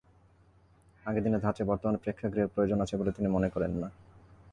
আগের দিনের ধাঁচে বর্তমানে প্রেক্ষাগৃহের প্রয়োজন আছে বলে তিনি মনে করেন না।